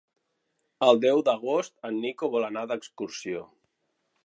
El deu d'agost en Nico vol anar d'excursió.